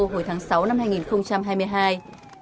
hội nghị thượng đỉnh nato hồi tháng sáu năm hai nghìn hai mươi hai